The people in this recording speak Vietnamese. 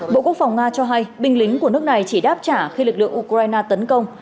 bộ quốc phòng nga cho hay binh lính của nước này chỉ đáp trả khi lực lượng ukraine tấn công